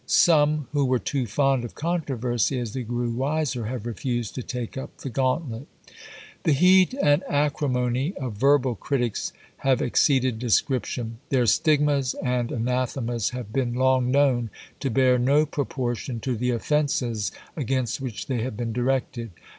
Some who were too fond of controversy, as they grew wiser, have refused to take up the gauntlet. The heat and acrimony of verbal critics have exceeded description. Their stigmas and anathemas have been long known to bear no proportion to the offences against which they have been directed.